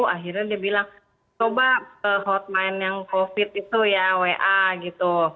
akhirnya dia bilang coba ke hotline yang covid itu ya wa gitu